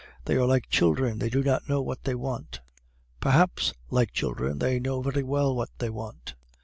They are like children, they do not know what they want.' "'Perhaps, like children, they know very well what they want.